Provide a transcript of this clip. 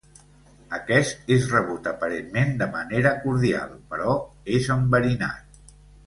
Aquest és rebut aparentment de manera cordial, però és enverinat.